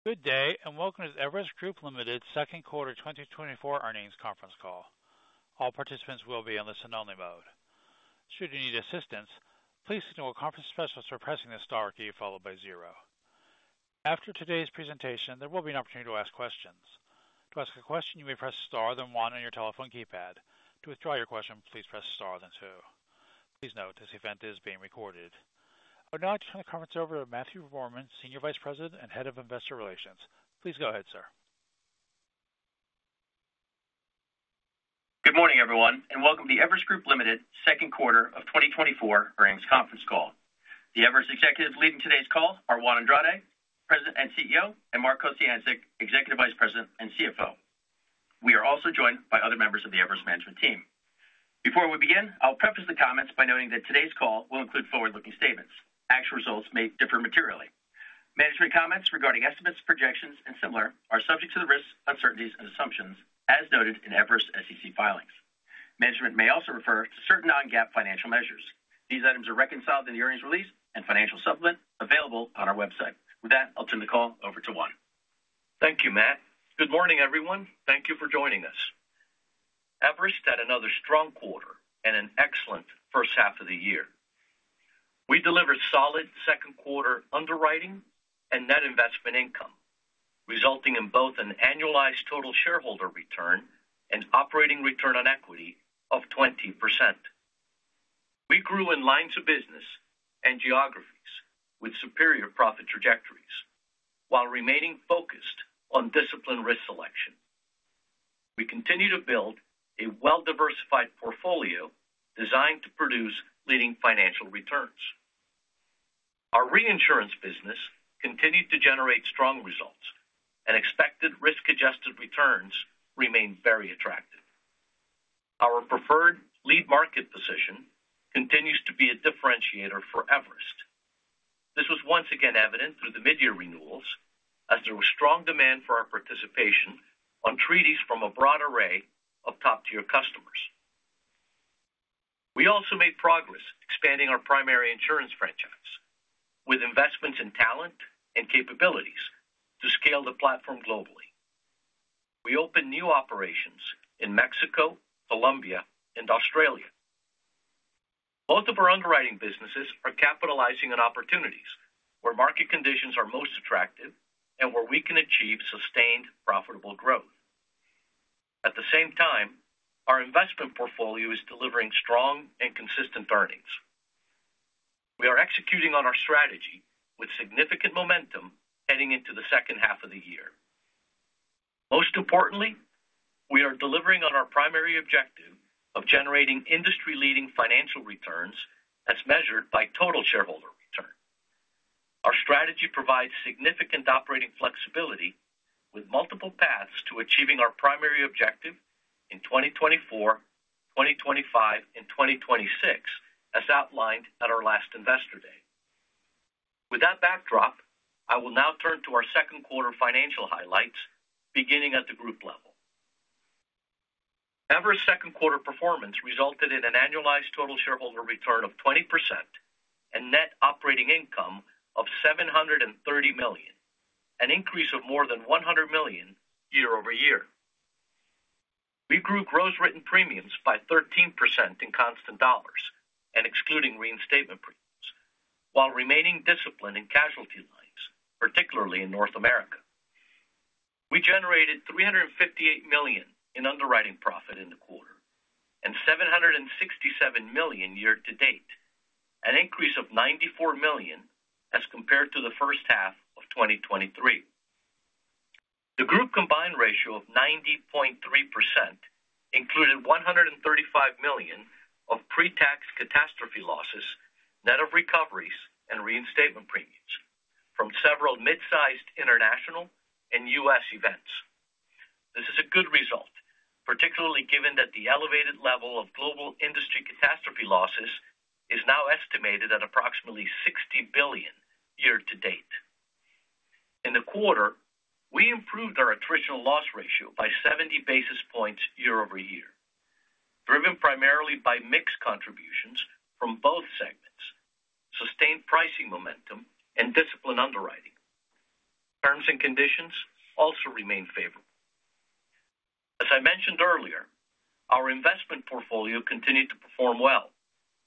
Good day, and welcome to the Everest Group, Ltd. second quarter 2024 earnings conference call. All participants will be on listen-only mode. Should you need assistance, please signal with Conference Specialist by pressing the star key followed by zero. After today's presentation, there will be an opportunity to ask questions. To ask a question, you may press star then one on your telephone keypad. To withdraw your question, please press star then two. Please note, this event is being recorded. I would now like to turn the conference over to Matthew Rohrmann, Senior Vice President and Head of Investor Relations. Please go ahead, sir. Good morning, everyone, and welcome to the Everest Group, Ltd. Second Quarter of 2024 Earnings Conference Call. The Everest executives leading today's call are Juan Andrade, President and CEO, and Mark Kociancic, Executive Vice President and CFO. We are also joined by other members of the Everest management team. Before we begin, I'll preface the comments by noting that today's call will include forward-looking statements. Actual results may differ materially. Management comments regarding estimates, projections, and similar are subject to the risks, uncertainties, and assumptions as noted in Everest SEC filings. Management may also refer to certain non-GAAP financial measures. These items are reconciled in the earnings release and financial supplement available on our website. With that, I'll turn the call over to Juan. Thank you, Matt. Good morning, everyone. Thank you for joining us. Everest had another strong quarter and an excellent first half of the year. We delivered solid second quarter underwriting and net investment income, resulting in both an annualized total shareholder return and operating return on equity of 20%. We grew in lines of business and geographies with superior profit trajectories while remaining focused on disciplined risk selection. We continue to build a well-diversified portfolio designed to produce leading financial returns. Our reinsurance business continued to generate strong results, and expected risk-adjusted returns remain very attractive. Our preferred lead market position continues to be a differentiator for Everest. This was once again evident through the mid-year renewals, as there was strong demand for our participation on treaties from a broad array of top-tier customers. We also made progress expanding our primary insurance franchise with investments in talent and capabilities to scale the platform globally. We opened new operations in Mexico, Colombia, and Australia. Both of our underwriting businesses are capitalizing on opportunities where market conditions are most attractive and where we can achieve sustained profitable growth. At the same time, our investment portfolio is delivering strong and consistent earnings. We are executing on our strategy with significant momentum heading into the second half of the year. Most importantly, we are delivering on our primary objective of generating industry-leading financial returns as measured by total shareholder return. Our strategy provides significant operating flexibility with multiple paths to achieving our primary objective in 2024, 2025, and 2026, as outlined at our last investor day. With that backdrop, I will now turn to our second quarter financial highlights, beginning at the group level. Everest's second quarter performance resulted in an annualized total shareholder return of 20% and net operating income of $730 million, an increase of more than $100 million year-over-year. We grew gross written premiums by 13% in constant dollars and excluding reinstatement premiums, while remaining disciplined in casualty lines, particularly in North America. We generated $358 million in underwriting profit in the quarter and $767 million year to date, an increase of $94 million as compared to the first half of 2023. The group combined ratio of 90.3% included $135 million of pre-tax catastrophe losses, net of recoveries, and reinstatement premiums from several mid-sized international and U.S. events. This is a good result, particularly given that the elevated level of global industry catastrophe losses is now estimated at approximately $60 billion year to date. In the quarter, we improved our attritional loss ratio by 70 basis points year-over-year, driven primarily by mixed contributions from both segments, sustained pricing momentum, and disciplined underwriting. Terms and conditions also remain favorable. As I mentioned earlier, our investment portfolio continued to perform well,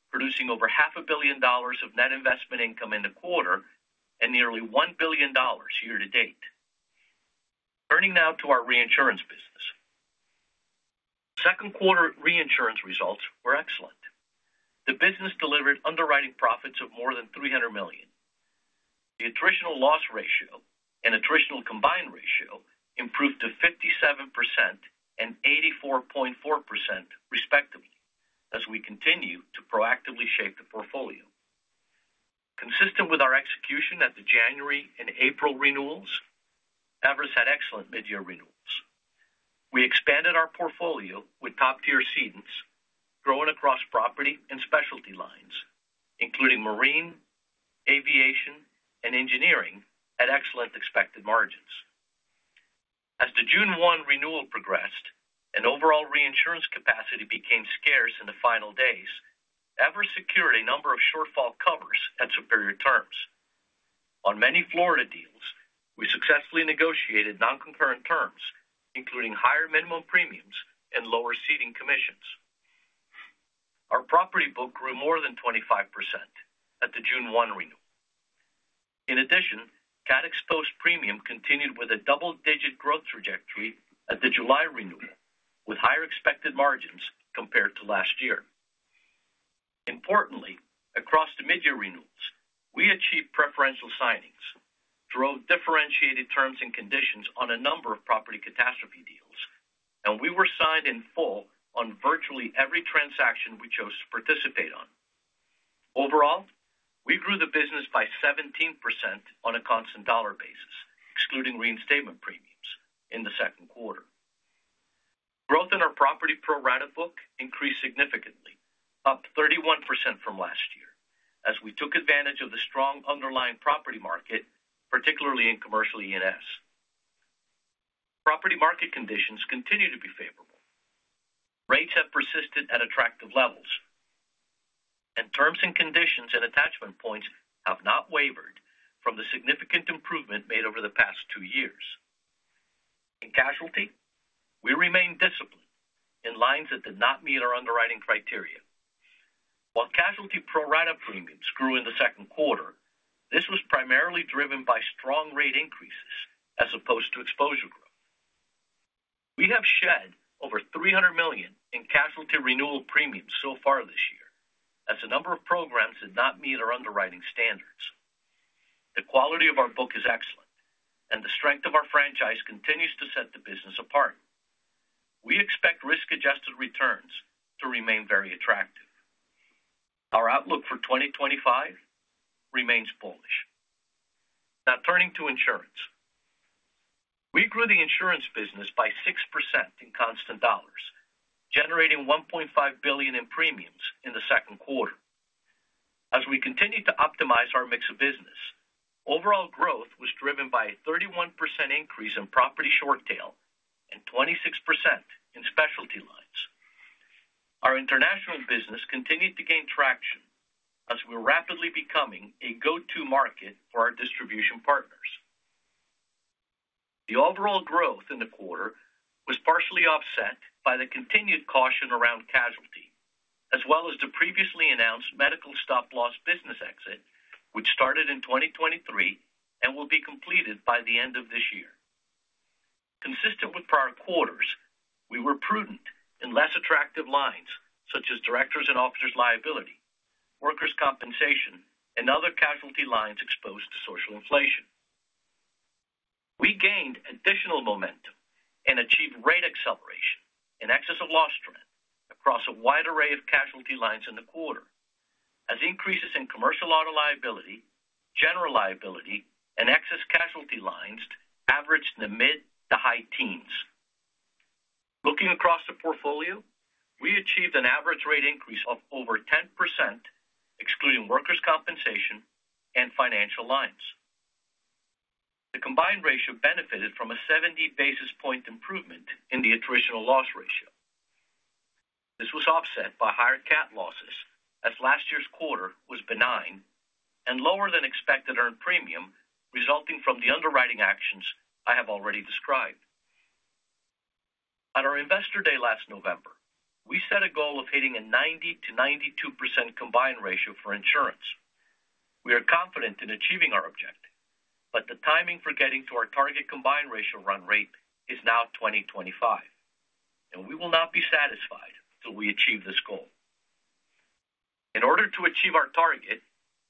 producing over $500 million of net investment income in the quarter and nearly $1 billion year to date. Turning now to our reinsurance business. Second quarter reinsurance results were excellent. The business delivered underwriting profits of more than $300 million. The attritional loss ratio and attritional combined ratio improved to 57% and 84.4%, respectively, as we continue to proactively shape the portfolio. Consistent with our execution at the January and April renewals, Everest had excellent mid-year renewals. We expanded our portfolio with top-tier cedents, growing across property and specialty lines, including marine, aviation, and engineering, at excellent expected margins. As the June 1 renewal progressed and overall reinsurance capacity became scarce in the final days, Everest secured a number of shortfall covers at superior terms. On many Florida deals, we successfully negotiated non-concurrent terms, including higher minimum premiums and lower ceding commissions. Our property book grew more than 25% at the June 1 renewal. In addition, CAT XOL premium continued with a double-digit growth trajectory at the July renewal, with higher expected margins compared to last year. Importantly, across the mid-year renewals, we achieved preferential signings, drove differentiated terms and conditions on a number of property catastrophe deals, and we were signed in full on virtually every transaction we chose to participate on. Overall, we grew the business by 17% on a constant dollar basis, excluding reinstatement premiums, in the second quarter. Growth in our property pro rata book increased significantly, up 31% from last year, as we took advantage of the strong underlying property market, particularly in commercial E&S. Property market conditions continue to be favorable. Rates have persisted at attractive levels, and terms and conditions and attachment points have not wavered from the significant improvement made over the past two years. In casualty, we remained disciplined in lines that did not meet our underwriting criteria. While casualty pro rata premiums grew in the second quarter, this was primarily driven by strong rate increases as opposed to exposure growth. We have shed over $300 million in casualty renewal premiums so far this year, as a number of programs did not meet our underwriting standards. The quality of our book is excellent, and the strength of our franchise continues to set the business apart. We expect risk-adjusted returns to remain very attractive. Our outlook for 2025 remains bullish. Now turning to insurance. We grew the insurance business by 6% in constant dollars, generating $1.5 billion in premiums in the second quarter. As we continued to optimize our mix of business, overall growth was driven by a 31% increase in property short tail and 26% in specialty lines. Our international business continued to gain traction as we were rapidly becoming a go-to market for our distribution partners. The overall growth in the quarter was partially offset by the continued caution around casualty, as well as the previously announced medical stop-loss business exit, which started in 2023 and will be completed by the end of this year. Consistent with prior quarters, we were prudent in less attractive lines such as directors and officers' liability, workers' compensation, and other casualty lines exposed to social inflation. We gained additional momentum and achieved rate acceleration and excessive loss trend across a wide array of casualty lines in the quarter, as increases in commercial auto liability, general liability, and excess casualty lines averaged in the mid- to high teens. Looking across the portfolio, we achieved an average rate increase of over 10%, excluding workers' compensation and financial lines. The combined ratio benefited from a 70 basis point improvement in the attritional loss ratio. This was offset by higher CAT losses, as last year's quarter was benign and lower than expected earned premium resulting from the underwriting actions I have already described. At our investor day last November, we set a goal of hitting a 90%-92% combined ratio for insurance. We are confident in achieving our objective, but the timing for getting to our target combined ratio run rate is now 2025, and we will not be satisfied until we achieve this goal. In order to achieve our target,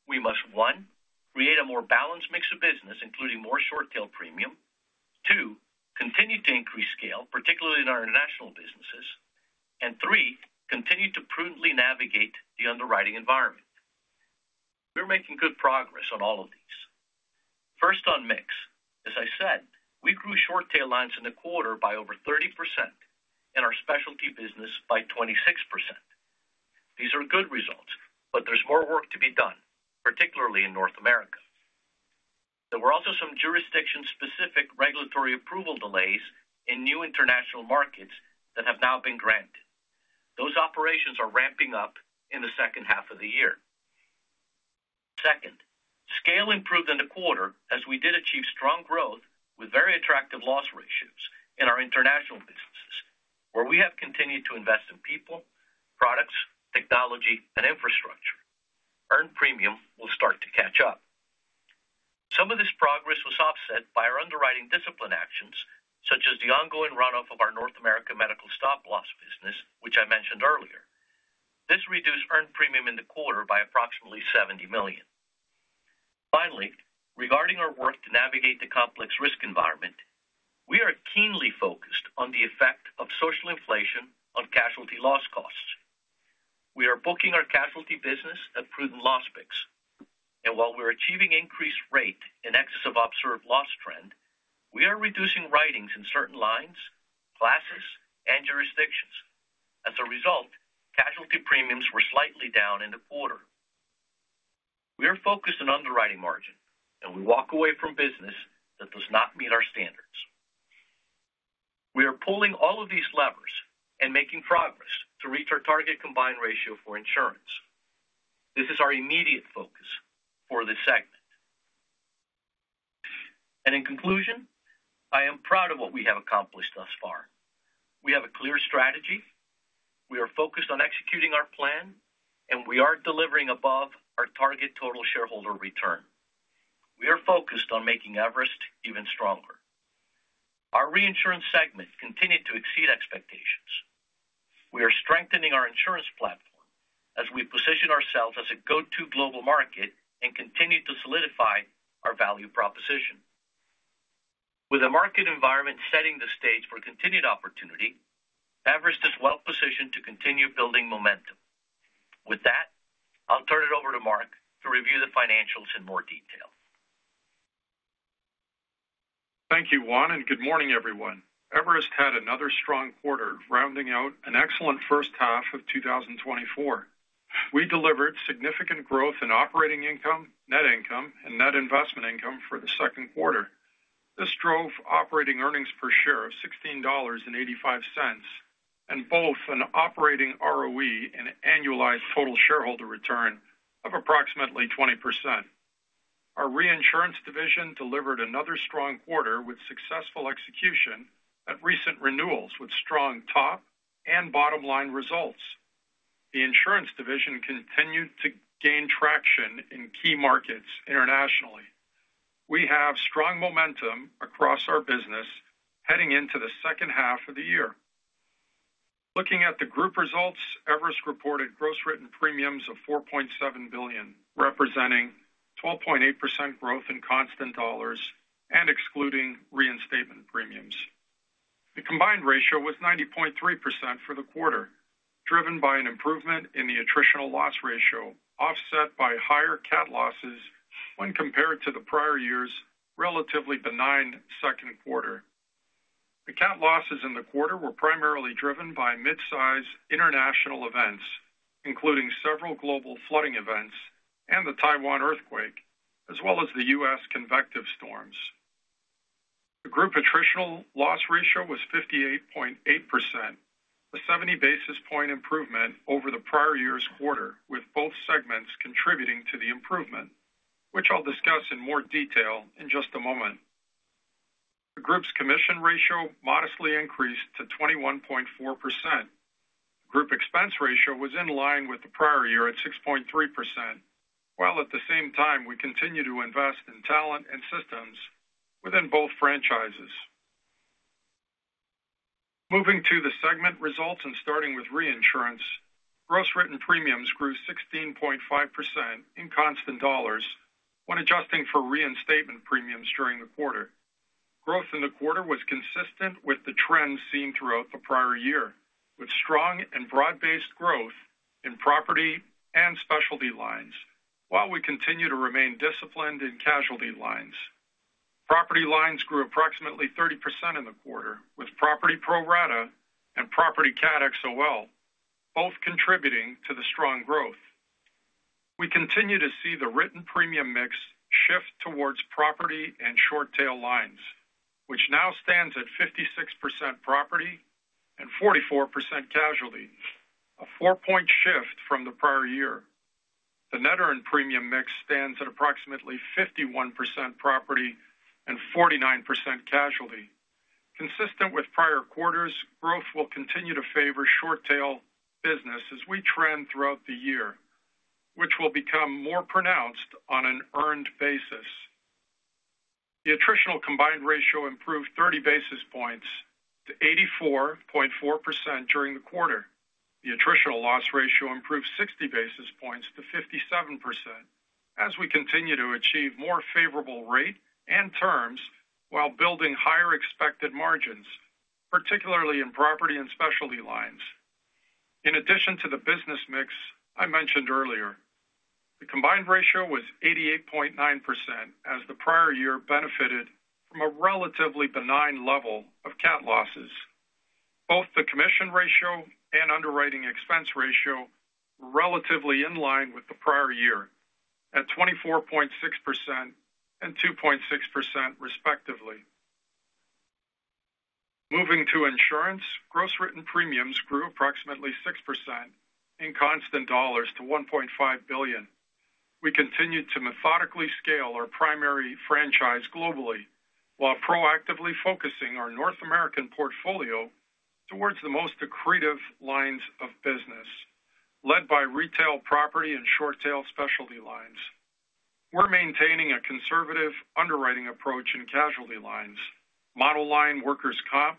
we must, one, create a more balanced mix of business, including more short tail premium; two, continue to increase scale, particularly in our international businesses; and three, continue to prudently navigate the underwriting environment. We're making good progress on all of these. First on mix, as I said, we grew short tail lines in the quarter by over 30% and our specialty business by 26%. These are good results, but there's more work to be done, particularly in North America. There were also some jurisdiction-specific regulatory approval delays in new international markets that have now been granted. Those operations are ramping up in the second half of the year. Second, scale improved in the quarter as we did achieve strong growth with very attractive loss ratios in our international businesses, where we have continued to invest in people, products, technology, and infrastructure. Earned premium will start to catch up. Some of this progress was offset by our underwriting discipline actions, such as the ongoing runoff of our North America medical stop-loss business, which I mentioned earlier. This reduced earned premium in the quarter by approximately $70 million. Finally, regarding our work to navigate the complex risk environment, we are keenly focused on the effect of social inflation on casualty loss costs. We are booking our casualty business at prudent loss picks. And while we're achieving increased rate and excessive observed loss trend, we are reducing writings in certain lines, classes, and jurisdictions. As a result, casualty premiums were slightly down in the quarter. We are focused on underwriting margin, and we walk away from business that does not meet our standards. We are pulling all of these levers and making progress to reach our target combined ratio for insurance. This is our immediate focus for this segment. In conclusion, I am proud of what we have accomplished thus far. We have a clear strategy. We are focused on executing our plan, and we are delivering above our target total shareholder return. We are focused on making Everest even stronger. Our reinsurance segment continued to exceed expectations. We are strengthening our insurance platform as we position ourselves as a go-to global market and continue to solidify our value proposition. With a market environment setting the stage for continued opportunity, Everest is well positioned to continue building momentum. With that, I'll turn it over to Mark to review the financials in more detail. Thank you, Juan, and good morning, everyone. Everest had another strong quarter, rounding out an excellent first half of 2024. We delivered significant growth in operating income, net income, and net investment income for the second quarter. This drove operating earnings per share of $16.85 and both an operating ROE and annualized total shareholder return of approximately 20%. Our reinsurance division delivered another strong quarter with successful execution at recent renewals with strong top and bottom line results. The insurance division continued to gain traction in key markets internationally. We have strong momentum across our business heading into the second half of the year. Looking at the group results, Everest reported gross written premiums of $4.7 billion, representing 12.8% growth in constant dollars and excluding reinstatement premiums. The combined ratio was 90.3% for the quarter, driven by an improvement in the attritional loss ratio, offset by higher CAT losses when compared to the prior year's relatively benign second quarter. The CAT losses in the quarter were primarily driven by mid-size international events, including several global flooding events and the Taiwan earthquake, as well as the U.S. convective storms. The group attritional loss ratio was 58.8%, a 70 basis point improvement over the prior year's quarter, with both segments contributing to the improvement, which I'll discuss in more detail in just a moment. The group's commission ratio modestly increased to 21.4%. The group expense ratio was in line with the prior year at 6.3%, while at the same time, we continue to invest in talent and systems within both franchises. Moving to the segment results and starting with reinsurance, gross written premiums grew 16.5% in constant dollars when adjusting for reinstatement premiums during the quarter. Growth in the quarter was consistent with the trend seen throughout the prior year, with strong and broad-based growth in property and specialty lines, while we continue to remain disciplined in casualty lines. Property lines grew approximately 30% in the quarter, with property pro rata and property CAT XOL both contributing to the strong growth. We continue to see the written premium mix shift towards property and short tail lines, which now stands at 56% property and 44% casualty, a four-point shift from the prior year. The net earned premium mix stands at approximately 51% property and 49% casualty. Consistent with prior quarters, growth will continue to favor short tail business as we trend throughout the year, which will become more pronounced on an earned basis. The attritional combined ratio improved 30 basis points to 84.4% during the quarter. The attritional loss ratio improved 60 basis points to 57% as we continue to achieve more favorable rate and terms while building higher expected margins, particularly in property and specialty lines. In addition to the business mix I mentioned earlier, the combined ratio was 88.9% as the prior year benefited from a relatively benign level of CAT losses. Both the commission ratio and underwriting expense ratio were relatively in line with the prior year at 24.6% and 2.6%, respectively. Moving to insurance, gross written premiums grew approximately 6% in constant dollars to $1.5 billion. We continued to methodically scale our primary franchise globally while proactively focusing our North American portfolio towards the most accretive lines of business, led by retail property and short tail specialty lines. We're maintaining a conservative underwriting approach in casualty lines, monoline workers' comp,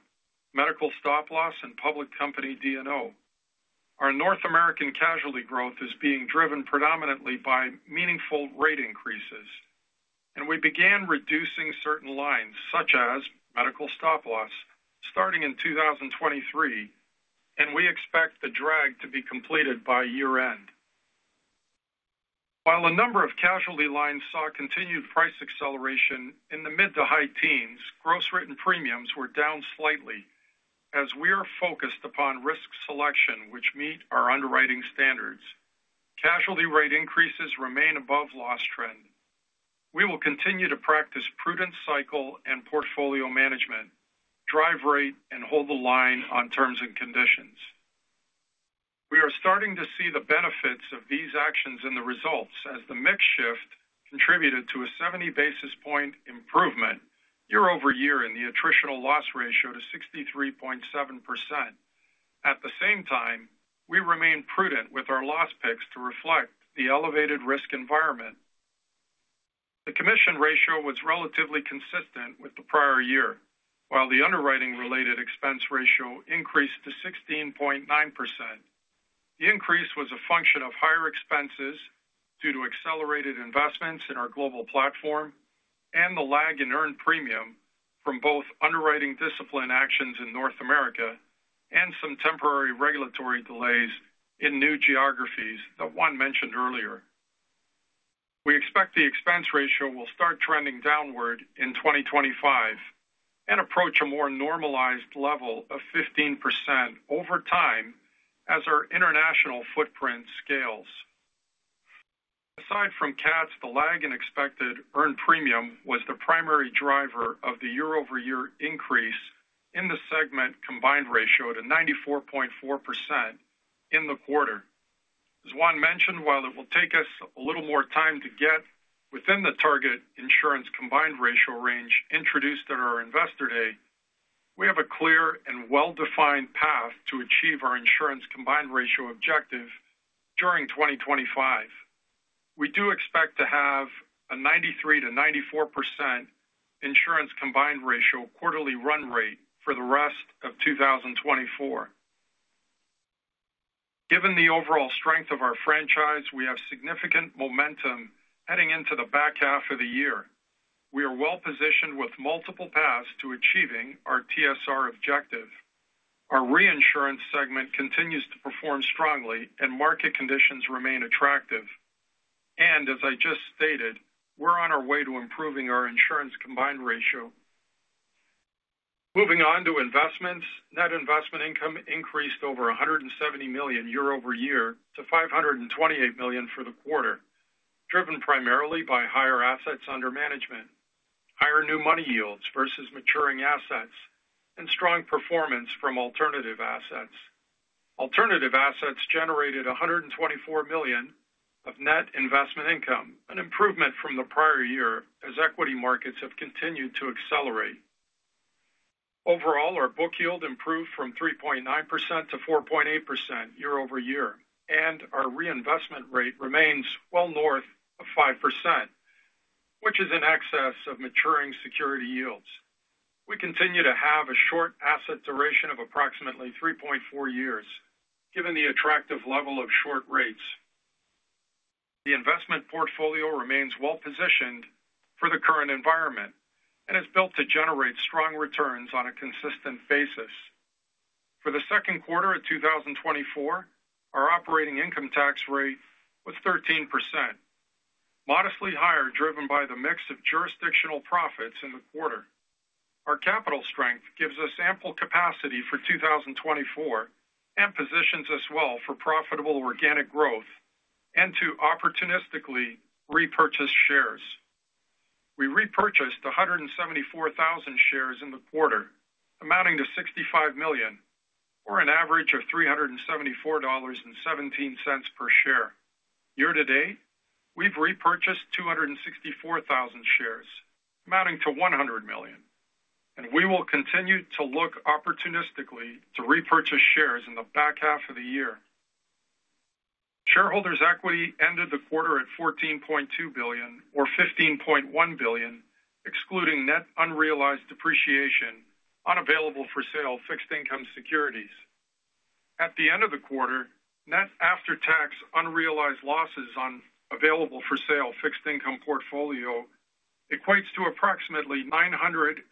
medical stop-loss, and public company D&O. Our North American casualty growth is being driven predominantly by meaningful rate increases, and we began reducing certain lines, such as medical stop-loss, starting in 2023, and we expect the drag to be completed by year-end. While a number of casualty lines saw continued price acceleration in the mid to high teens, gross written premiums were down slightly as we are focused upon risk selection, which meets our underwriting standards. Casualty rate increases remain above loss trend. We will continue to practice prudent cycle and portfolio management, drive rate, and hold the line on terms and conditions. We are starting to see the benefits of these actions in the results as the mix shift contributed to a 70 basis points improvement year-over-year in the attritional loss ratio to 63.7%. At the same time, we remain prudent with our loss picks to reflect the elevated risk environment. The commission ratio was relatively consistent with the prior year, while the underwriting-related expense ratio increased to 16.9%. The increase was a function of higher expenses due to accelerated investments in our global platform and the lag in earned premium from both underwriting discipline actions in North America and some temporary regulatory delays in new geographies that Juan mentioned earlier. We expect the expense ratio will start trending downward in 2025 and approach a more normalized level of 15% over time as our international footprint scales. Aside from CATs, the lag in expected earned premium was the primary driver of the year-over-year increase in the segment combined ratio to 94.4% in the quarter. As Juan mentioned, while it will take us a little more time to get within the target insurance combined ratio range introduced at our investor day, we have a clear and well-defined path to achieve our insurance combined ratio objective during 2025. We do expect to have a 93%-94% insurance combined ratio quarterly run rate for the rest of 2024. Given the overall strength of our franchise, we have significant momentum heading into the back half of the year. We are well-positioned with multiple paths to achieving our TSR objective. Our reinsurance segment continues to perform strongly, and market conditions remain attractive. And as I just stated, we're on our way to improving our insurance combined ratio. Moving on to investments, net investment income increased over $170 million year-over-year to $528 million for the quarter, driven primarily by higher assets under management, higher new money yields versus maturing assets, and strong performance from alternative assets. Alternative assets generated $124 million of net investment income, an improvement from the prior year as equity markets have continued to accelerate. Overall, our book yield improved from 3.9%-4.8% year-over-year, and our reinvestment rate remains well north of 5%, which is in excess of maturing security yields. We continue to have a short asset duration of approximately 3.4 years, given the attractive level of short rates. The investment portfolio remains well-positioned for the current environment and is built to generate strong returns on a consistent basis. For the second quarter of 2024, our operating income tax rate was 13%, modestly higher driven by the mix of jurisdictional profits in the quarter. Our capital strength gives us ample capacity for 2024 and positions us well for profitable organic growth and to opportunistically repurchase shares. We repurchased 174,000 shares in the quarter, amounting to $65 million, or an average of $374.17 per share. Year-to-date, we've repurchased 264,000 shares, amounting to $100 million, and we will continue to look opportunistically to repurchase shares in the back half of the year. Shareholders' equity ended the quarter at $14.2 billion, or $15.1 billion, excluding net unrealized depreciation on available-for-sale fixed income securities. At the end of the quarter, net after-tax unrealized losses on available-for-sale fixed income portfolio equates to approximately $936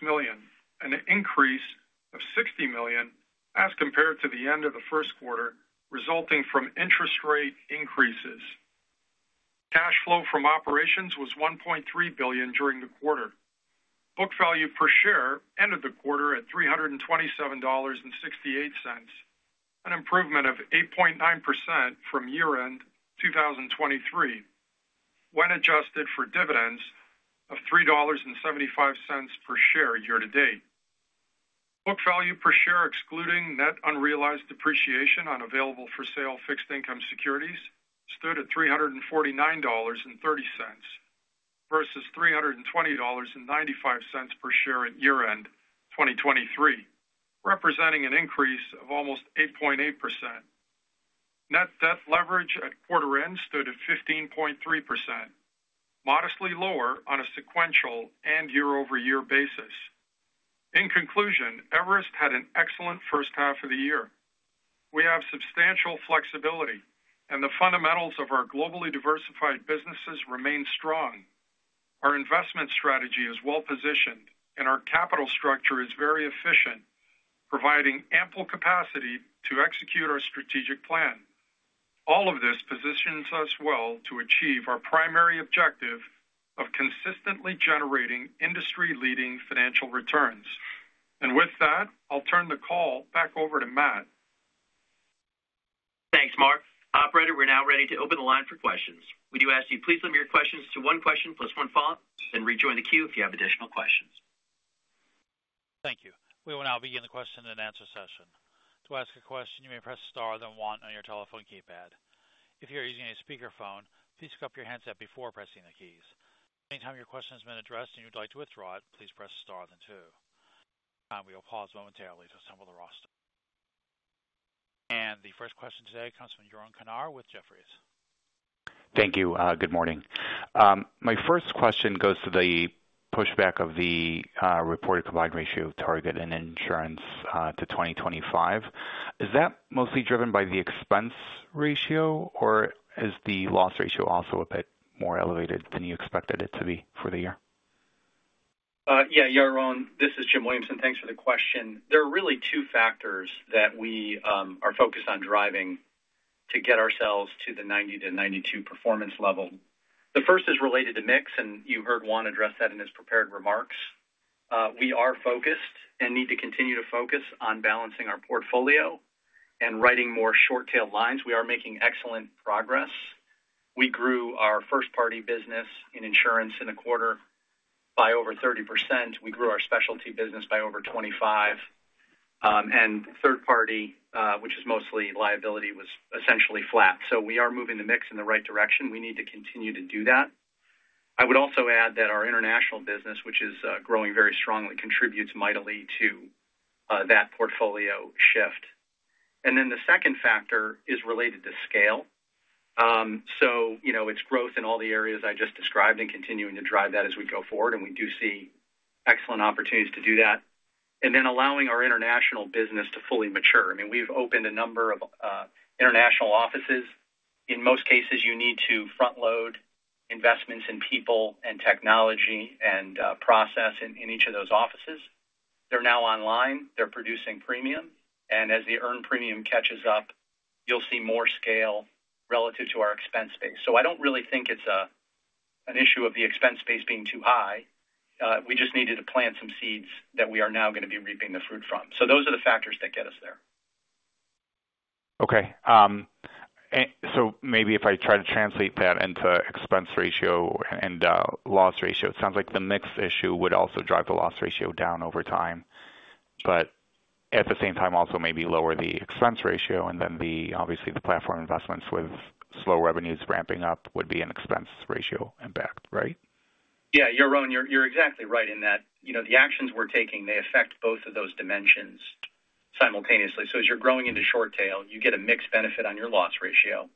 million, an increase of $60 million as compared to the end of the first quarter, resulting from interest rate increases. Cash flow from operations was $1.3 billion during the quarter. Book value per share ended the quarter at $327.68, an improvement of 8.9% from year-end 2023, when adjusted for dividends of $3.75 per share year-to-date. Book value per share, excluding net unrealized depreciation on available-for-sale fixed income securities, stood at $349.30 versus $320.95 per share at year-end 2023, representing an increase of almost 8.8%. Net debt leverage at quarter-end stood at 15.3%, modestly lower on a sequential and year-over-year basis. In conclusion, Everest had an excellent first half of the year. We have substantial flexibility, and the fundamentals of our globally diversified businesses remain strong. Our investment strategy is well-positioned, and our capital structure is very efficient, providing ample capacity to execute our strategic plan. All of this positions us well to achieve our primary objective of consistently generating industry-leading financial returns. With that, I'll turn the call back over to Matt. Thanks, Mark. Operator, we're now ready to open the line for questions. We do ask you, please limit your questions to one question plus one thought, then rejoin the queue if you have additional questions. Thank you. We will now begin the question-and-answer session. To ask a question, you may press star then one on your telephone keypad. If you are using a speakerphone, please hook up your headset before pressing the keys. Anytime your question has been addressed and you'd like to withdraw it, please press star then two. We will pause momentarily to assemble the roster. The first question today comes from Yaron Kinar with Jefferies. Thank you. Good morning. My first question goes to the pushback of the reported combined ratio target and insurance to 2025. Is that mostly driven by the expense ratio, or is the loss ratio also a bit more elevated than you expected it to be for the year? Yeah, Yaron, this is Jim Williamson. Thanks for the question. There are really two factors that we are focused on driving to get ourselves to the 90-92 performance level. The first is related to mix, and you heard Juan address that in his prepared remarks. We are focused and need to continue to focus on balancing our portfolio and writing more short tail lines. We are making excellent progress. We grew our first-party business in insurance in the quarter by over 30%. We grew our specialty business by over 25%. And third-party, which is mostly liability, was essentially flat. So we are moving the mix in the right direction. We need to continue to do that. I would also add that our international business, which is growing very strongly, contributes mightily to that portfolio shift. And then the second factor is related to scale. So it's growth in all the areas I just described and continuing to drive that as we go forward, and we do see excellent opportunities to do that. And then allowing our international business to fully mature. I mean, we've opened a number of international offices. In most cases, you need to front-load investments in people and technology and process in each of those offices. They're now online. They're producing premium. And as the earned premium catches up, you'll see more scale relative to our expense base. So I don't really think it's an issue of the expense base being too high. We just needed to plant some seeds that we are now going to be reaping the fruit from. So those are the factors that get us there. Okay. So maybe if I try to translate that into expense ratio and loss ratio, it sounds like the mix issue would also drive the loss ratio down over time, but at the same time, also maybe lower the expense ratio. And then obviously, the platform investments with slow revenues ramping up would be an expense ratio impact, right? Yeah. Yaron, you're exactly right in that the actions we're taking, they affect both of those dimensions simultaneously. So as you're growing into short tail, you get a mixed benefit on your loss ratio,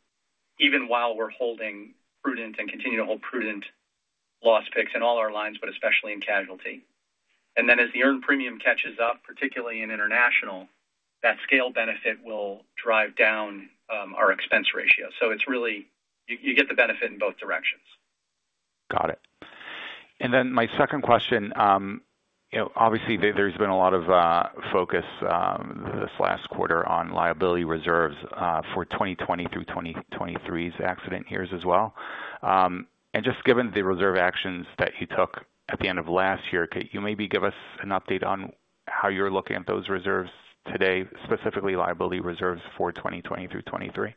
even while we're holding prudent and continue to hold prudent loss picks in all our lines, but especially in casualty. And then as the earned premium catches up, particularly in international, that scale benefit will drive down our expense ratio. It's really you get the benefit in both directions. Got it. And then my second question, obviously, there's been a lot of focus this last quarter on liability reserves for 2020 through 2023's accident years as well. And just given the reserve actions that you took at the end of last year, can you maybe give us an update on how you're looking at those reserves today, specifically liability reserves for 2020 through 2023?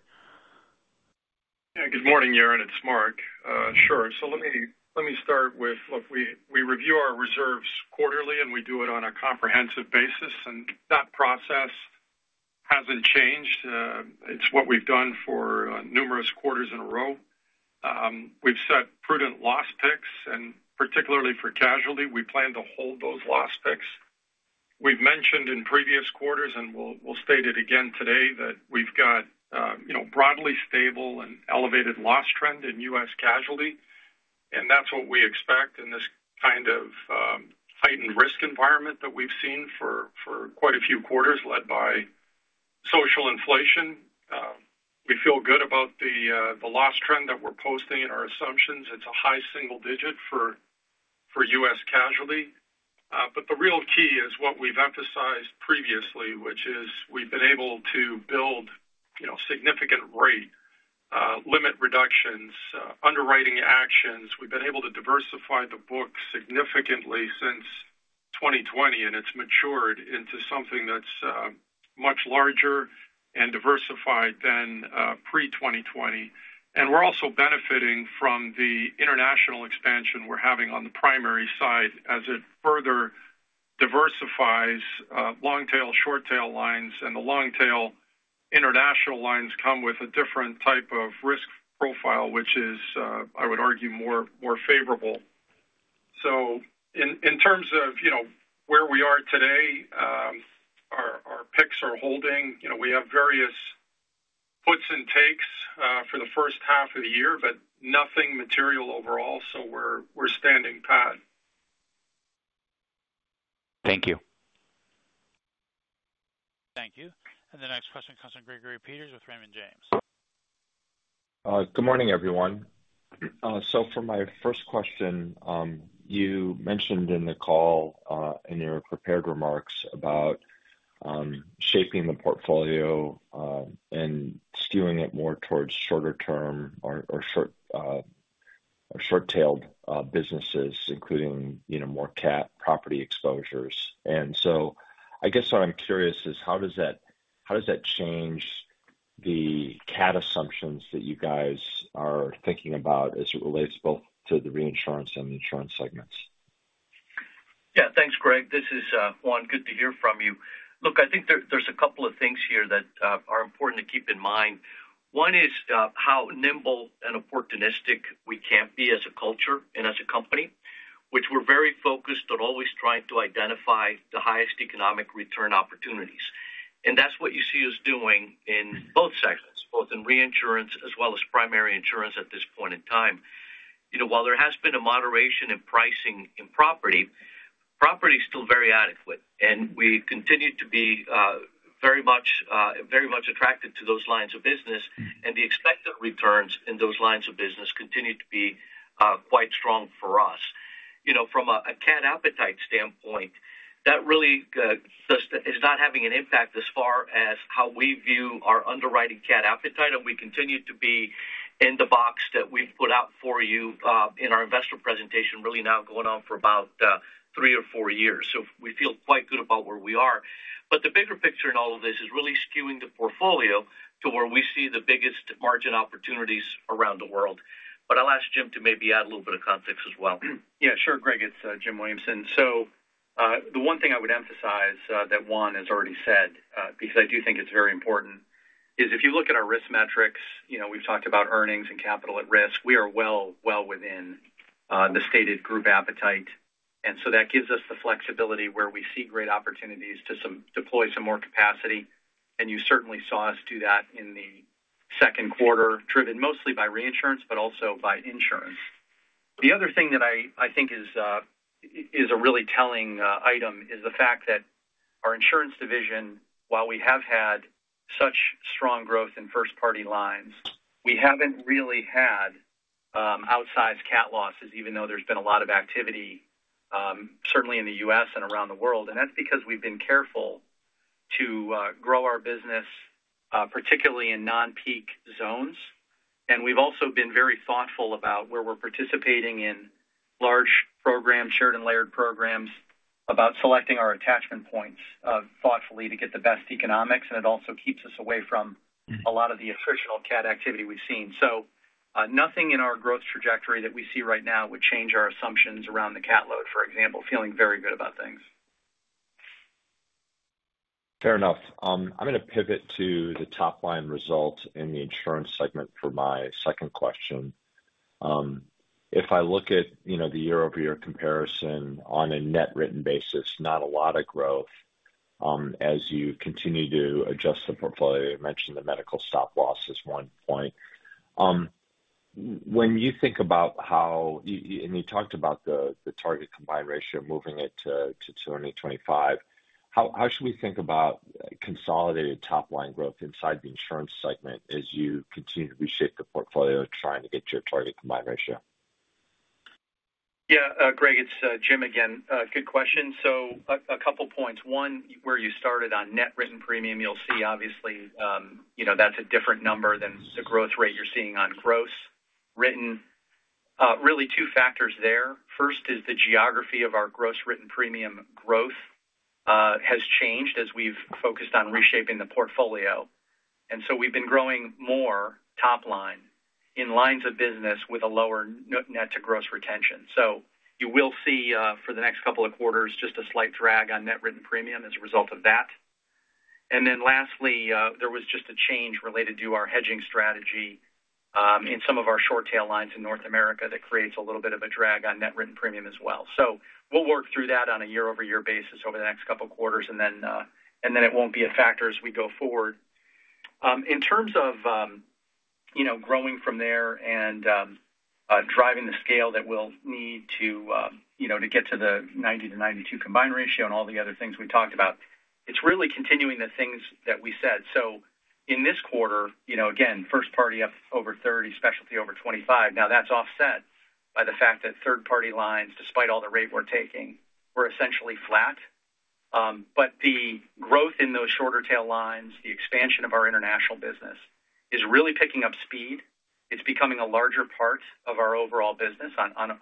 Yeah. Good morning, Yaron. It's Mark. Sure. Let me start with, look, we review our reserves quarterly, and we do it on a comprehensive basis. And that process hasn't changed. It's what we've done for numerous quarters in a row. We've set prudent loss picks, and particularly for casualty, we plan to hold those loss picks. We've mentioned in previous quarters, and we'll state it again today, that we've got a broadly stable and elevated loss trend in U.S. casualty. That's what we expect in this kind of heightened risk environment that we've seen for quite a few quarters led by social inflation. We feel good about the loss trend that we're posting in our assumptions. It's a high single digit for U.S. casualty. The real key is what we've emphasized previously, which is we've been able to build significant rate limit reductions, underwriting actions. We've been able to diversify the book significantly since 2020, and it's matured into something that's much larger and diversified than pre-2020. We're also benefiting from the international expansion we're having on the primary side as it further diversifies long-tail, short-tail lines. And the long-tail international lines come with a different type of risk profile, which is, I would argue, more favorable. So in terms of where we are today, our picks are holding. We have various puts and takes for the first half of the year, but nothing material overall. So we're standing pat. Thank you. Thank you. And the next question comes from Gregory Peters with Raymond James. Good morning, everyone. So for my first question, you mentioned in the call in your prepared remarks about shaping the portfolio and skewing it more towards shorter-term or short-tailed businesses, including more CAT property exposures. And so I guess what I'm curious is, how does that change the CAT assumptions that you guys are thinking about as it relates both to the reinsurance and insurance segments? Yeah. Thanks, Greg. This is Juan. Good to hear from you. Look, I think there's a couple of things here that are important to keep in mind. One is how nimble and opportunistic we can be as a culture and as a company, which we're very focused on always trying to identify the highest economic return opportunities. And that's what you see us doing in both segments, both in reinsurance as well as primary insurance at this point in time. While there has been a moderation in pricing in property, property is still very adequate. And we continue to be very much attracted to those lines of business, and the expected returns in those lines of business continue to be quite strong for us. From a CAT appetite standpoint, that really is not having an impact as far as how we view our underwriting CAT appetite. We continue to be in the box that we've put out for you in our investor presentation, really now going on for about three or four years. So we feel quite good about where we are. But the bigger picture in all of this is really skewing the portfolio to where we see the biggest margin opportunities around the world. But I'll ask Jim to maybe add a little bit of context as well. Yeah. Sure, Greg. It's Jim Williamson. So the one thing I would emphasize that Juan has already said, because I do think it's very important, is if you look at our risk metrics, we've talked about earnings and capital at risk. We are well within the stated group appetite. And so that gives us the flexibility where we see great opportunities to deploy some more capacity. You certainly saw us do that in the second quarter, driven mostly by reinsurance, but also by insurance. The other thing that I think is a really telling item is the fact that our insurance division, while we have had such strong growth in first-party lines, we haven't really had outsized CAT losses, even though there's been a lot of activity, certainly in the U.S. and around the world. And that's because we've been careful to grow our business, particularly in non-peak zones. And we've also been very thoughtful about where we're participating in large programs, shared and layered programs, about selecting our attachment points thoughtfully to get the best economics. And it also keeps us away from a lot of the attritional CAT activity we've seen. So nothing in our growth trajectory that we see right now would change our assumptions around the CAT load, for example, feeling very good about things. Fair enough. I'm going to pivot to the top-line result in the insurance segment for my second question. If I look at the year-over-year comparison on a net written basis, not a lot of growth as you continue to adjust the portfolio. You mentioned the medical stop-loss is one point. When you think about how, and you talked about the target combined ratio moving it to 2025, how should we think about consolidated top-line growth inside the insurance segment as you continue to reshape the portfolio trying to get your target combined ratio? Yeah. Greg, it's Jim again. Good question. So a couple of points. One, where you started on net written premium, you'll see obviously that's a different number than the growth rate you're seeing on gross written. Really, two factors there. First is the geography of our gross written premium growth has changed as we've focused on reshaping the portfolio. We've been growing more top-line in lines of business with a lower net-to-gross retention. You will see for the next couple of quarters just a slight drag on net written premium as a result of that. Then lastly, there was just a change related to our hedging strategy in some of our short tail lines in North America that creates a little bit of a drag on net written premium as well. We'll work through that on a year-over-year basis over the next couple of quarters, and then it won't be a factor as we go forward. In terms of growing from there and driving the scale that we'll need to get to the 90-92 combined ratio and all the other things we talked about, it's really continuing the things that we said. So in this quarter, again, first-party up over 30, specialty over 25. Now, that's offset by the fact that third-party lines, despite all the rate we're taking, were essentially flat. But the growth in those shorter tail lines, the expansion of our international business, is really picking up speed. It's becoming a larger part of our overall business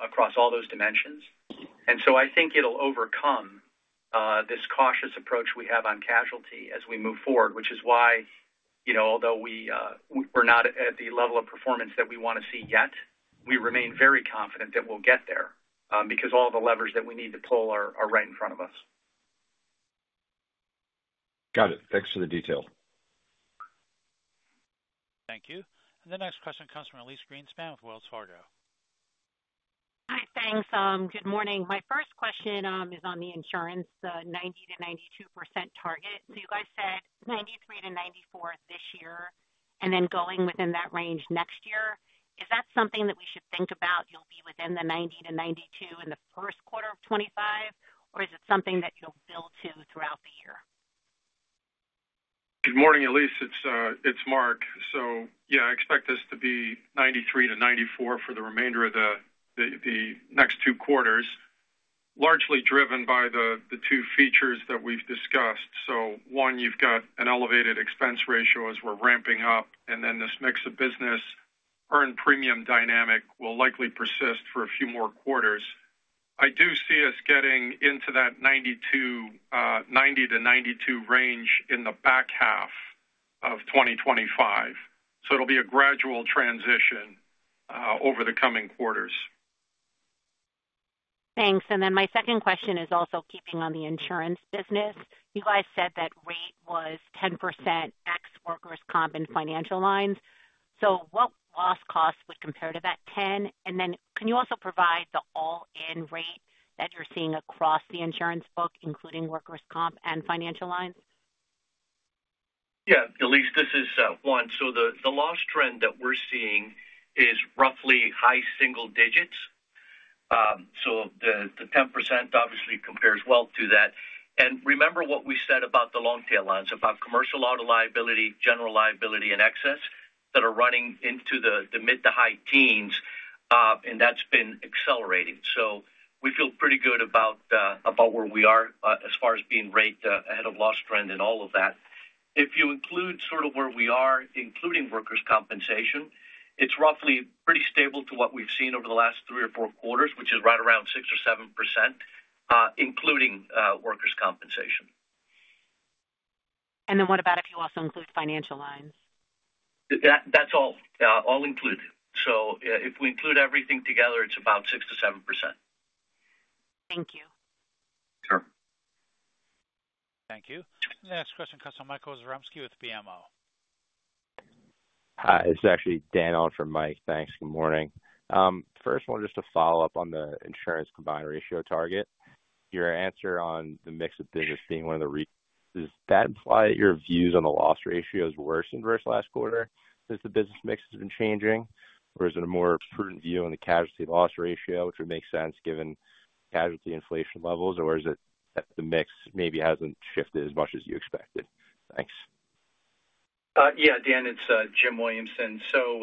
across all those dimensions. And so I think it'll overcome this cautious approach we have on casualty as we move forward, which is why, although we're not at the level of performance that we want to see yet, we remain very confident that we'll get there because all the levers that we need to pull are right in front of us. Got it. Thanks for the detail. Thank you. And the next question comes from Elyse Greenspan with Wells Fargo. Hi, thanks. Good morning. My first question is on the insurance, the 90%-92% target. So you guys said 93%-94% this year, and then going within that range next year. Is that something that we should think about, you'll be within the 90%-92% in the first quarter of 2025, or is it something that you'll build to throughout the year? Good morning, Elyse. It's Mark. So yeah, I expect us to be 93%-94% for the remainder of the next two quarters, largely driven by the two features that we've discussed. So one, you've got an elevated expense ratio as we're ramping up, and then this mix of business earned premium dynamic will likely persist for a few more quarters. I do see us getting into that 90%-92% range in the back half of 2025. So it'll be a gradual transition over the coming quarters. Thanks. And then my second question is also keeping on the insurance business. You guys said that rate was 10% ex-workers' comp and financial lines. So what loss costs would compare to that 10%? And then can you also provide the all-in rate that you're seeing across the insurance book, including workers' comp and financial lines? Yeah. Elyse, this is Juan. So the loss trend that we're seeing is roughly high single digits. So the 10% obviously compares well to that. And remember what we said about the long-tail lines, about commercial auto liability, general liability, and excess that are running into the mid to high teens, and that's been accelerating. So we feel pretty good about where we are as far as being rate ahead of loss trend and all of that. If you include sort of where we are, including workers' compensation, it's roughly pretty stable to what we've seen over the last three or four quarters, which is right around 6% or 7%, including workers' compensation. And then what about if you also include financial lines? That's all included. So if we include everything together, it's about 6%-7%. Thank you. Sure. Thank you. The next question comes from Michael Zaremski with BMO. Hi. This is actually Dan Cohen from BMO. Thanks. Good morning. First, I want just to follow up on the insurance combined ratio target. Your answer on the mix of business being one of the reasons is that imply that your views on the loss ratio have worsened versus last quarter since the business mix has been changing? Or is it a more prudent view on the casualty loss ratio, which would make sense given casualty inflation levels? Or is it that the mix maybe hasn't shifted as much as you expected? Thanks. Yeah, Dan, it's Jim Williamson. So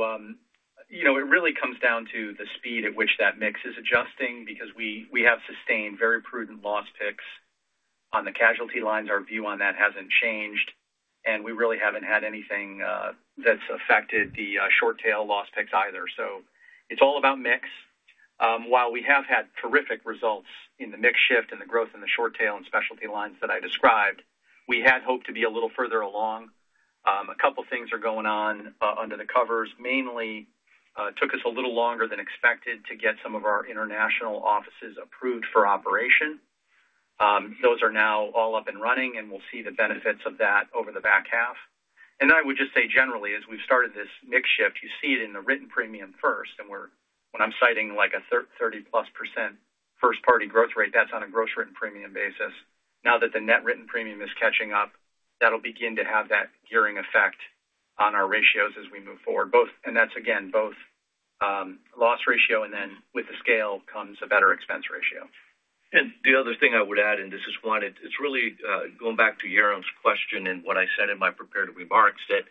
it really comes down to the speed at which that mix is adjusting because we have sustained very prudent loss picks on the casualty lines. Our view on that hasn't changed, and we really haven't had anything that's affected the short-tail loss picks either. So it's all about mix. While we have had terrific results in the mix shift and the growth in the short-tail and specialty lines that I described, we had hoped to be a little further along. A couple of things are going on under the covers. Mainly, it took us a little longer than expected to get some of our international offices approved for operation. Those are now all up and running, and we'll see the benefits of that over the back half. And I would just say generally, as we've started this mix shift, you see it in the written premium first. And when I'm citing like a 30%+ first-party growth rate, that's on a gross written premium basis. Now that the net written premium is catching up, that'll begin to have that gearing effect on our ratios as we move forward. And that's, again, both loss ratio and then with the scale comes a better expense ratio. And the other thing I would add, and this is Juan, it's really going back to Yaron's question and what I said in my prepared remarks that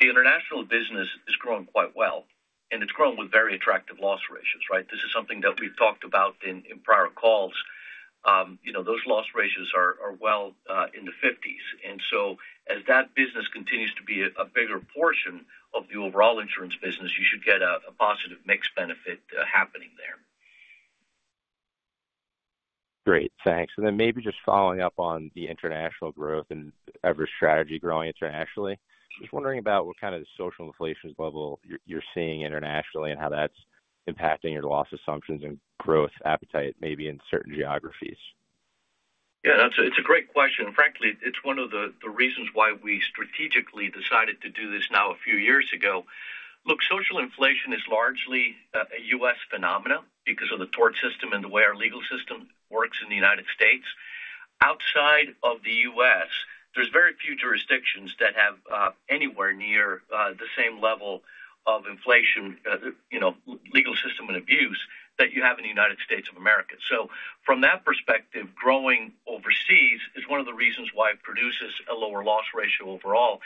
the international business is growing quite well, and it's growing with very attractive loss ratios, right? This is something that we've talked about in prior calls. Those loss ratios are well in the 50s. And so as that business continues to be a bigger portion of the overall insurance business, you should get a positive mix benefit happening there. Great. Thanks. And then maybe just following up on the international growth and Everest's strategy growing internationally, just wondering about what kind of social inflation level you're seeing internationally and how that's impacting your loss assumptions and growth appetite maybe in certain geographies. Yeah. It's a great question. Frankly, it's one of the reasons why we strategically decided to do this now a few years ago. Look, social inflation is largely a U.S. phenomenon because of the tort system and the way our legal system works in the United States. Outside of the U.S., there's very few jurisdictions that have anywhere near the same level of inflation, legal system, and abuse that you have in the United States of America. So from that perspective, growing overseas is one of the reasons why it produces a lower loss ratio overall.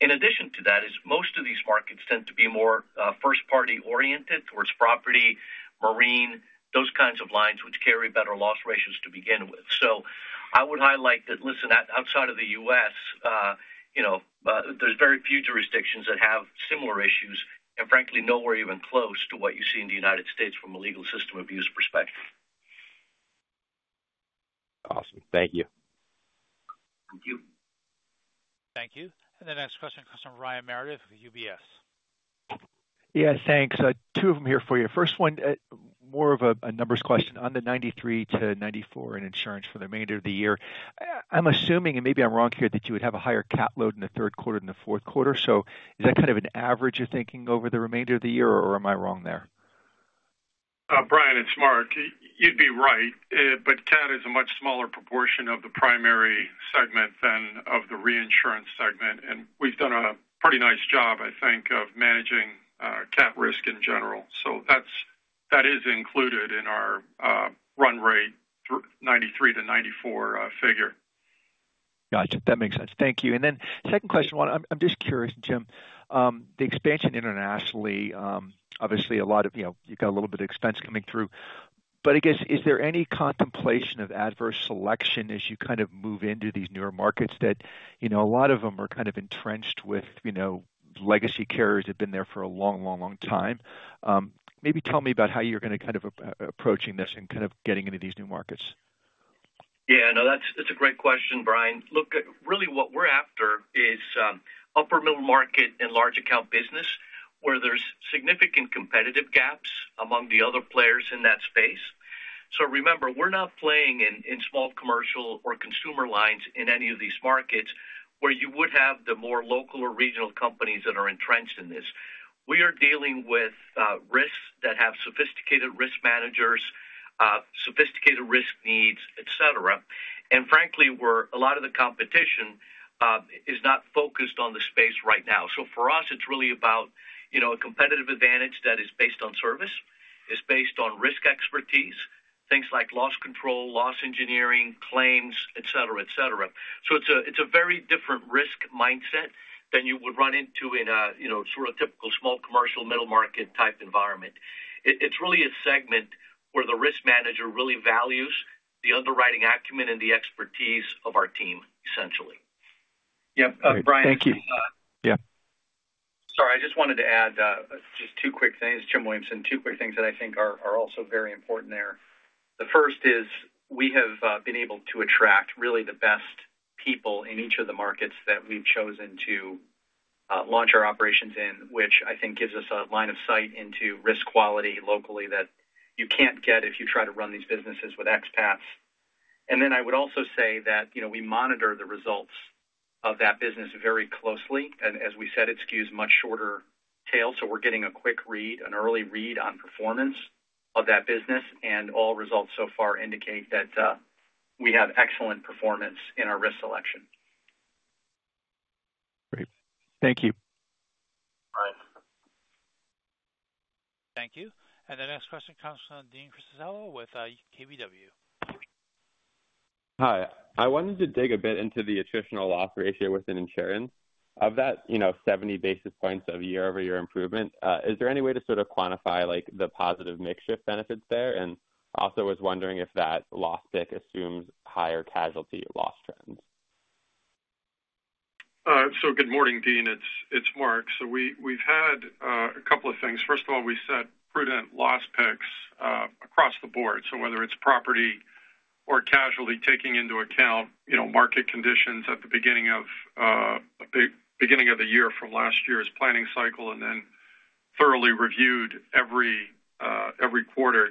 In addition to that, most of these markets tend to be more first-party oriented towards property, marine, those kinds of lines which carry better loss ratios to begin with. So I would highlight that, listen, outside of the U.S., there's very few jurisdictions that have similar issues, and frankly, nowhere even close to what you see in the United States from a legal system abuse perspective. Awesome. Thank you. Thank you. Thank you. And the next question comes from Brian Meredith with UBS. Yes, thanks. Two of them here for you. First one, more of a numbers question on the 93%-94% in insurance for the remainder of the year. I'm assuming, and maybe I'm wrong here, that you would have a higher CAT load in the third quarter than the fourth quarter. So is that kind of an average you're thinking over the remainder of the year, or am I wrong there? Brian, it's Mark. You'd be right, but CAT is a much smaller proportion of the primary segment than of the reinsurance segment. And we've done a pretty nice job, I think, of managing CAT risk in general. So that is included in our run rate 93%-94% figure. Gotcha. That makes sense. Thank you. And then second question, Juan, I'm just curious, Jim, the expansion internationally, obviously a lot of you've got a little bit of expense coming through. But I guess, is there any contemplation of adverse selection as you kind of move into these newer markets that a lot of them are kind of entrenched with legacy carriers that have been there for a long, long, long time? Maybe tell me about how you're going to kind of approaching this and kind of getting into these new markets. Yeah. No, that's a great question, Brian. Look, really what we're after is upper-middle market and large account business where there's significant competitive gaps among the other players in that space. So remember, we're not playing in small commercial or consumer lines in any of these markets where you would have the more local or regional companies that are entrenched in this. We are dealing with risks that have sophisticated risk managers, sophisticated risk needs, etc. And frankly, a lot of the competition is not focused on the space right now. So for us, it's really about a competitive advantage that is based on service, is based on risk expertise, things like loss control, loss engineering, claims, etc., etc. So it's a very different risk mindset than you would run into in a sort of typical small commercial middle market type environment. It's really a segment where the risk manager really values the underwriting acumen and the expertise of our team, essentially. Yep. Brian, thank you. Yeah. Sorry, I just wanted to add just two quick things, Jim Williamson, two quick things that I think are also very important there. The first is we have been able to attract really the best people in each of the markets that we've chosen to launch our operations in, which I think gives us a line of sight into risk quality locally that you can't get if you try to run these businesses with expats. And then I would also say that we monitor the results of that business very closely. And as we said, it skews much shorter tail. So we're getting a quick read, an early read on performance of that business. And all results so far indicate that we have excellent performance in our risk selection. Great. Thank you. All right. Thank you. And the next question comes from Dean Criscitiello with KBW. Hi. I wanted to dig a bit into the attritional loss ratio within insurance. Of that 70 basis points of year-over-year improvement, is there any way to sort of quantify the positive mix shift benefits there? And also was wondering if that loss pick assumes higher casualty loss trends. So good morning, Dean. It's Mark. So we've had a couple of things. First of all, we set prudent loss picks across the board. So whether it's property or casualty, taking into account market conditions at the beginning of the year from last year's planning cycle and then thoroughly reviewed every quarter,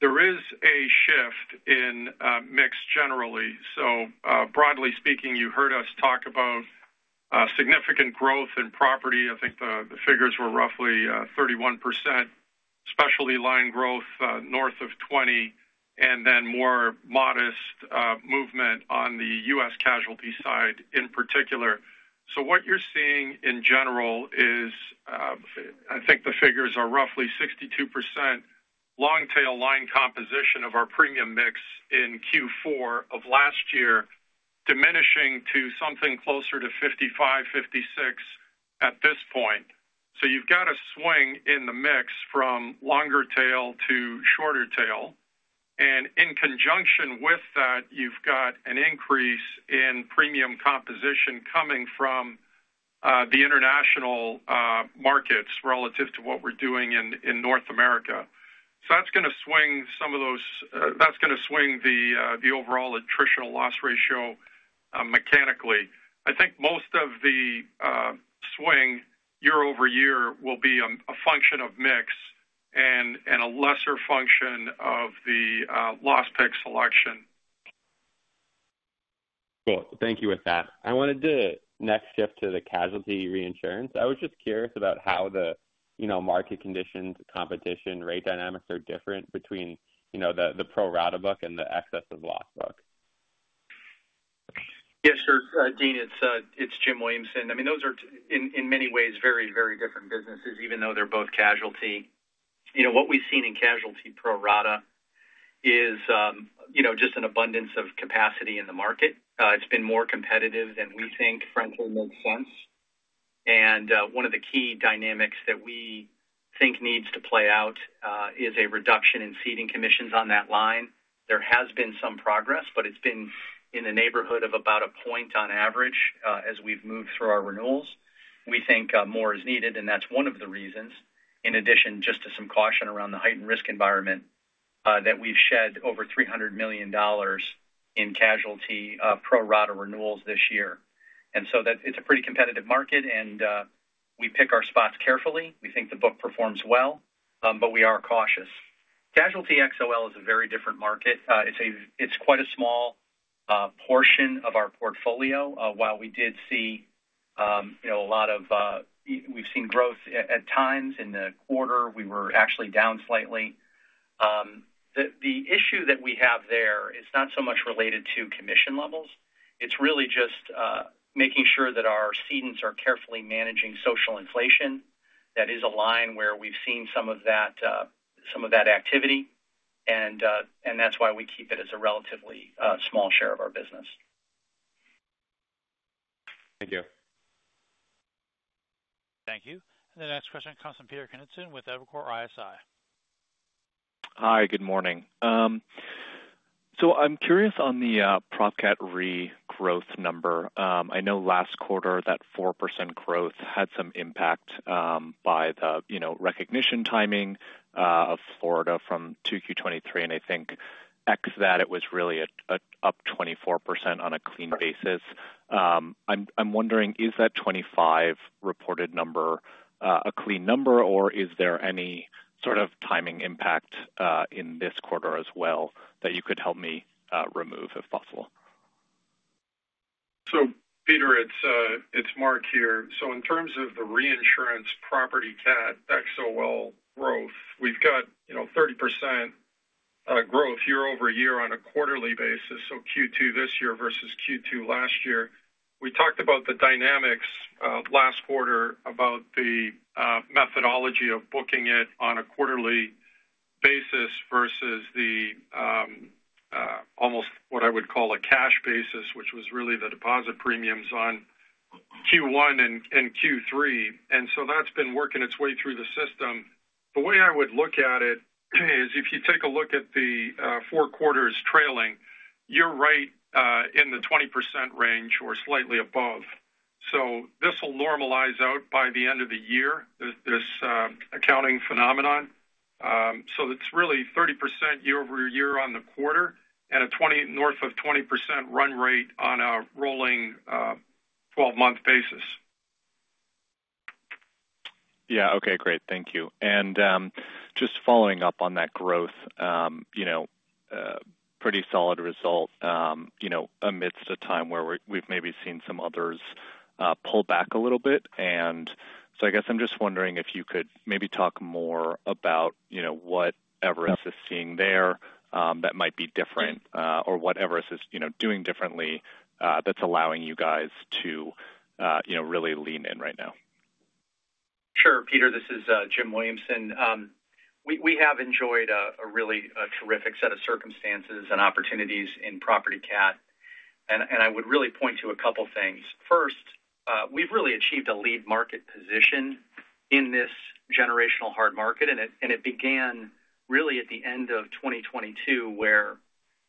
there is a shift in mix generally. So broadly speaking, you heard us talk about significant growth in property. I think the figures were roughly 31%, specialty line growth north of 20%, and then more modest movement on the U.S. casualty side in particular. So what you're seeing in general is I think the figures are roughly 62% long-tail line composition of our premium mix in Q4 of last year, diminishing to something closer to 55-56 at this point. So you've got a swing in the mix from longer tail to shorter tail. And in conjunction with that, you've got an increase in premium composition coming from the international markets relative to what we're doing in North America. So that's going to swing some of those that's going to swing the overall attritional loss ratio mechanically. I think most of the swing year-over-year will be a function of mix and a lesser function of the loss pick selection. Cool. Thank you with that. I wanted to next shift to the casualty reinsurance. I was just curious about how the market conditions, competition, rate dynamics are different between the pro rata book and the excess of loss book. Yes, sure. Dean, it's Jim Williamson. I mean, those are in many ways very, very different businesses, even though they're both casualty. What we've seen in casualty pro rata is just an abundance of capacity in the market. It's been more competitive than we think, frankly, makes sense. And one of the key dynamics that we think needs to play out is a reduction in ceding commissions on that line. There has been some progress, but it's been in the neighborhood of about a point on average as we've moved through our renewals. We think more is needed, and that's one of the reasons, in addition just to some caution around the heightened risk environment that we've shed over $300 million in casualty pro rata renewals this year. So it's a pretty competitive market, and we pick our spots carefully. We think the book performs well, but we are cautious. Casualty XOL is a very different market. It's quite a small portion of our portfolio. While we've seen growth at times in the quarter, we were actually down slightly. The issue that we have there is not so much related to commission levels. It's really just making sure that our cedents are carefully managing social inflation. That is a line where we've seen some of that activity, and that's why we keep it as a relatively small share of our business. Thank you. Thank you. And the next question comes from Peter Knudsen with Evercore ISI. Hi. Good morning. So I'm curious on the Prop Cat Re growth number. I know last quarter that 4% growth had some impact by the recognition timing of Florida from 2Q 2023, and I think that it was really up 24% on a clean basis. I'm wondering, is that 25% reported number a clean number, or is there any sort of timing impact in this quarter as well that you could help me remove if possible? So Peter, it's Mark here. So in terms of the reinsurance property CAT XOL growth, we've got 30% growth year-over-year on a quarterly basis, so Q2 this year versus Q2 last year. We talked about the dynamics last quarter about the methodology of booking it on a quarterly basis versus the almost what I would call a cash basis, which was really the deposit premiums on Q1 and Q3. So that's been working its way through the system. The way I would look at it is if you take a look at the 4 quarters trailing, you're right in the 20% range or slightly above. So this will normalize out by the end of the year, this accounting phenomenon. So it's really 30% year-over-year on the quarter and north of 20% run rate on a rolling 12-month basis. Yeah. Okay. Great. Thank you. And just following up on that growth, pretty solid result amidst a time where we've maybe seen some others pull back a little bit. And so I guess I'm just wondering if you could maybe talk more about what Everest is seeing there that might be different or what Everest is doing differently that's allowing you guys to really lean in right now. Sure. Peter, this is Jim Williamson. We have enjoyed a really terrific set of circumstances and opportunities in property CAT. I would really point to a couple of things. First, we've really achieved a lead market position in this generational hard market. It began really at the end of 2022 where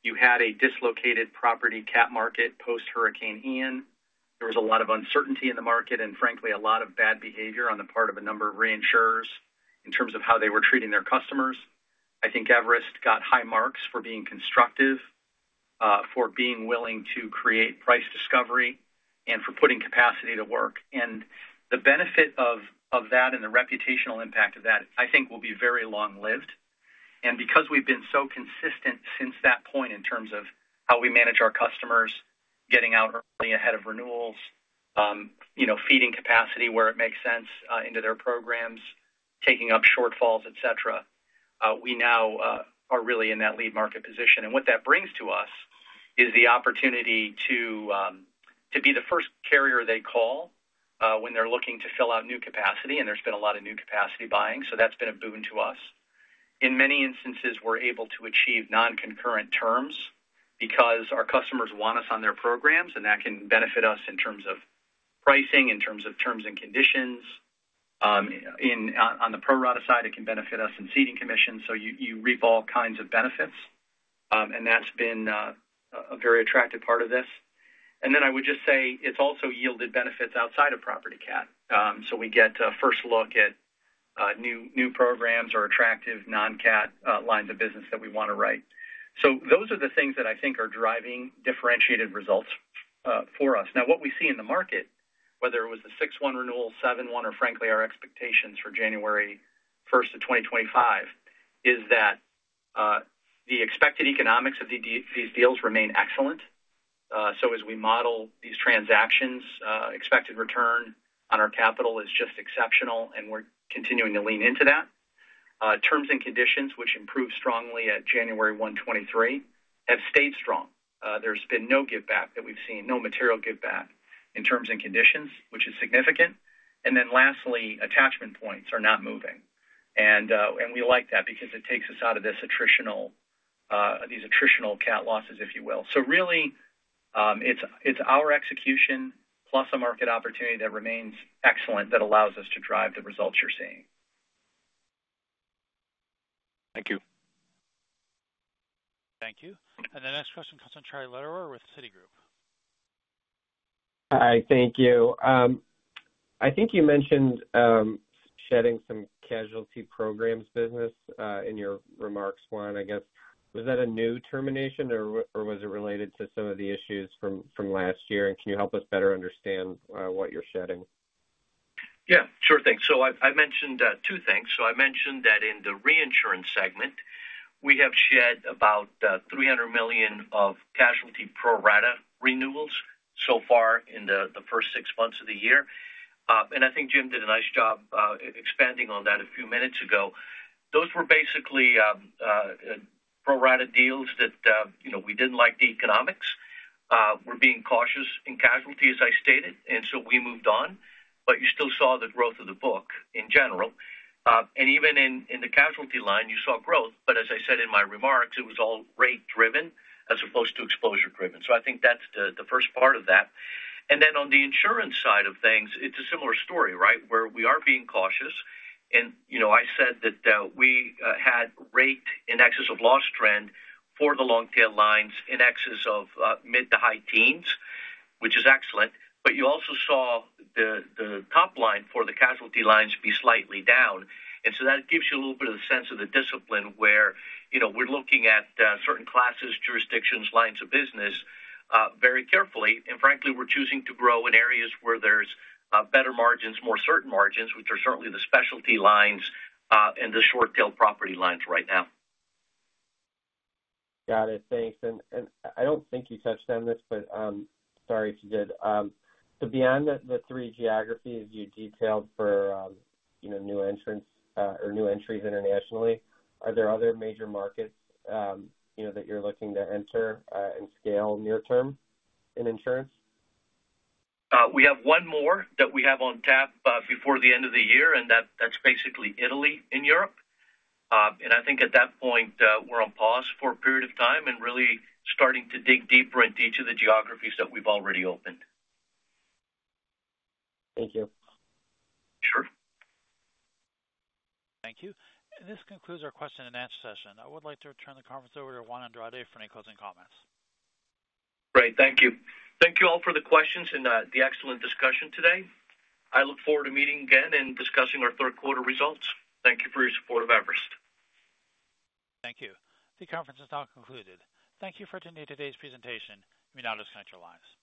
you had a dislocated property CAT market post-Hurricane Ian. There was a lot of uncertainty in the market and, frankly, a lot of bad behavior on the part of a number of reinsurers in terms of how they were treating their customers. I think Everest got high marks for being constructive, for being willing to create price discovery, and for putting capacity to work. The benefit of that and the reputational impact of that, I think, will be very long-lived. Because we've been so consistent since that point in terms of how we manage our customers, getting out early ahead of renewals, feeding capacity where it makes sense into their programs, taking up shortfalls, etc., we now are really in that lead market position. What that brings to us is the opportunity to be the first carrier they call when they're looking to fill out new capacity. There's been a lot of new capacity buying. That's been a boon to us. In many instances, we're able to achieve non-concurrent terms because our customers want us on their programs, and that can benefit us in terms of pricing, in terms of terms and conditions. On the pro-rata side, it can benefit us in ceding commissions. You reap all kinds of benefits, and that's been a very attractive part of this. I would just say it's also yielded benefits outside of property CAT. So we get a first look at new programs or attractive non-CAT lines of business that we want to write. So those are the things that I think are driving differentiated results for us. Now, what we see in the market, whether it was the 6/1 renewal, 7/1, or frankly, our expectations for January 1st of 2025, is that the expected economics of these deals remain excellent. So as we model these transactions, expected return on our capital is just exceptional, and we're continuing to lean into that. Terms and conditions, which improved strongly at January 1, 2023, have stayed strong. There's been no giveback that we've seen, no material giveback in terms and conditions, which is significant. And then lastly, attachment points are not moving. We like that because it takes us out of these attritional CAT losses, if you will. So really, it's our execution plus a market opportunity that remains excellent that allows us to drive the results you're seeing. Thank you. Thank you. The next question comes from Charlie Lederer with Citi. Hi. Thank you. I think you mentioned shedding some casualty programs business in your remarks. One, I guess, was that a new termination, or was it related to some of the issues from last year? And can you help us better understand what you're shedding? Yeah. Sure thing. So I mentioned two things. So I mentioned that in the reinsurance segment, we have shed about $300 million of casualty pro-rata renewals so far in the first six months of the year. And I think Jim did a nice job expanding on that a few minutes ago. Those were basically pro rata deals that we didn't like the economics. We're being cautious in casualty, as I stated, and so we moved on. But you still saw the growth of the book in general. And even in the casualty line, you saw growth. But as I said in my remarks, it was all rate-driven as opposed to exposure-driven. So I think that's the first part of that. And then on the insurance side of things, it's a similar story, right, where we are being cautious. And I said that we had rate in excess of loss trend for the long tail lines in excess of mid to high teens, which is excellent. But you also saw the top line for the casualty lines be slightly down. And so that gives you a little bit of a sense of the discipline where we're looking at certain classes, jurisdictions, lines of business very carefully. And frankly, we're choosing to grow in areas where there's better margins, more certain margins, which are certainly the specialty lines and the short-tail property lines right now. Got it. Thanks. And I don't think you touched on this, but sorry if you did. So beyond the three geographies you detailed for new entries or new entries internationally, are there other major markets that you're looking to enter and scale near-term in insurance? We have one more that we have on tap before the end of the year, and that's basically Italy in Europe. And I think at that point, we're on pause for a period of time and really starting to dig deeper into each of the geographies that we've already opened. Thank you. Sure. Thank you. This concludes our question-and-answer session. I would like to return the conference over to Juan Andrade for any closing comments. Great. Thank you. Thank you all for the questions and the excellent discussion today. I look forward to meeting again and discussing our third quarter results. Thank you for your support of Everest. Thank you. The conference is now concluded. Thank you for attending today's presentation. Have a great rest of your day.